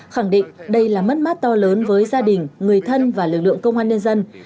khẳng định đây là mất mát to lớn với gia đình người thân và lực lượng công an nhân dân